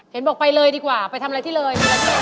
เห็นบอกไปเลยดีกว่าไปทำอะไรที่เลย